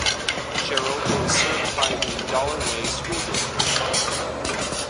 Sherrill is served by the Dollarway School District.